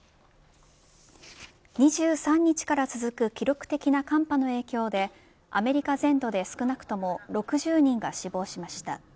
２３日から続く記録的な寒波の影響でアメリカ全土で少なくとも６０人が死亡しました。